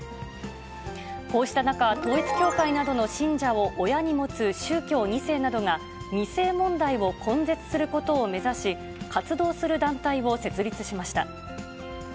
こうした中、統一教会などの信者を親に持つ宗教２世などが、２世問題を根絶することを目指し、活動する団体を設立しました。